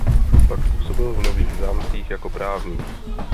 Pak působil v Nových Zámcích jako právník.